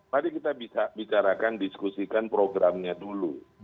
mari kita bisa bicarakan diskusikan programnya dulu